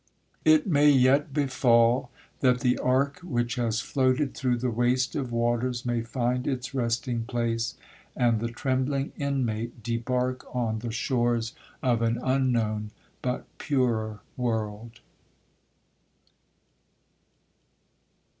'It may yet befall, that the ark which has floated through the waste of waters may find its resting place, and the trembling inmate debark on the shores of an unknown but purer world.'